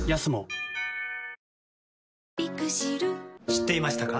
知っていましたか？